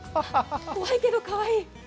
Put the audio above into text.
怖いけどかわいい。